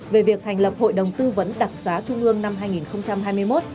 về việc thành lập hội đồng tư vấn đặc xá trung ương năm hai nghìn hai mươi một